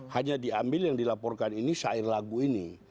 hanya diambil yang dilaporkan ini syair lagu ini